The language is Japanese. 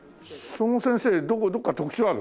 その先生どこか特徴ある？